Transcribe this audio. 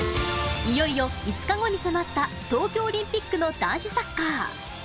いよいよ５日後に迫った、東京オリンピックの男子サッカー。